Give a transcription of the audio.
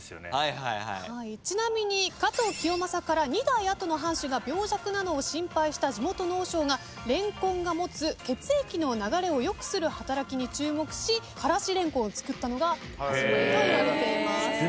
ちなみに加藤清正から二代後の藩主が病弱なのを心配した地元の和尚がレンコンが持つ血液の流れを良くする働きに注目し辛子蓮根を作ったのが始まりといわれています。